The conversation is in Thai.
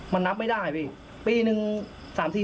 มันนับไม่ได้ปีหนึ่ง๓๔ห่วงครับพี่